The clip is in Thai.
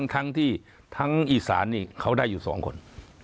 ทั้งที่ทั้งอีสานนี่เขาได้อยู่๒คน